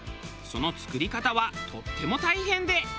その作り方はとっても大変で。